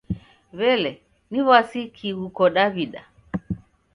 W'ele, ni w'asi ki ghuko Daw'ida?